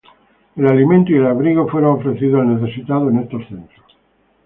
El alimento y el abrigo fueron ofrecidos al necesitado en estos centros.